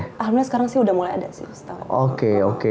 alhamdulillah sekarang sih udah mulai ada sih ustaz